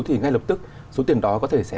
thì ngay lập tức số tiền đó có thể sẽ